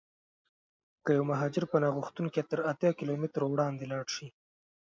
که یو مهاجر پناه غوښتونکی تر اتیا کیلومترو وړاندې ولاړشي.